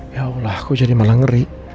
ya allah aku jadi malah ngeri